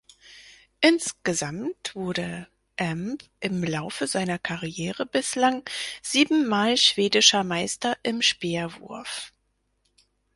Insgesamt wurde Amb im Laufe seiner Karriere bislang siebenmal schwedischer Meister im Speerwurf.